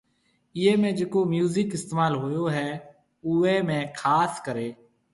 ايئيَ ۾ جِڪو ميوزڪ استعمال هوئيَ هيَ اوئيَ ۾ خاص ڪريَ